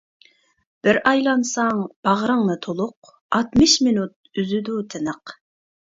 بىر ئايلانساڭ باغرىڭنى تولۇق، ئاتمىش مىنۇت ئۈزىدۇ تىنىق.